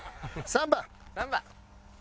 ３番。